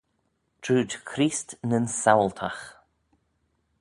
Trooid Chreest nyn Saualtagh.